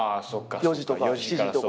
４時とか７時とか。